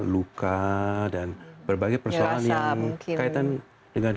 luka dan berbagai persoalan yang kaitan dengan